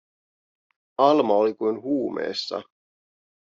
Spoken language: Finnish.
Alma oli kuin huumeessa.